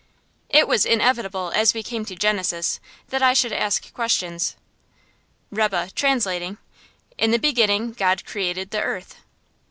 It was inevitable, as we came to Genesis, that I should ask questions. Rebbe, translating: "In the beginning God created the earth."